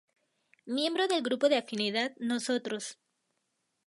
Miembro del grupo de afinidad "Nosotros".